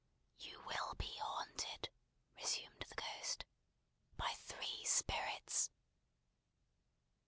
"You will be haunted," resumed the Ghost, "by Three Spirits."